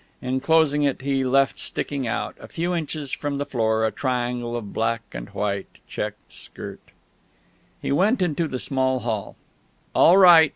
In closing it he left sticking out, a few inches from the floor, a triangle of black and white check skirt. He went into the small hall. "All right!"